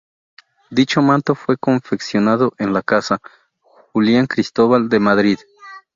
Dicho manto fue confeccionado en la casa "Julián Cristóbal" de Madrid.